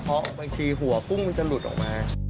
เพราะบางทีหัวกุ้งมันจะหลุดออกมา